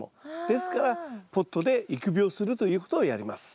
ですからポットで育苗するということをやります。